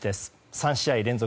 ３試合連続。